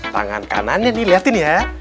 tangan kanannya nih liatin ya